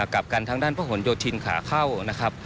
กับการทางด้านผลโยธินขาเข้านะครับ